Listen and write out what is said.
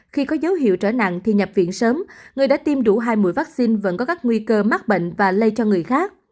khi có dấu hiệu trở nặng thì nhập viện sớm người đã tiêm đủ hai mũi vaccine vẫn có các nguy cơ mắc bệnh và lây cho người khác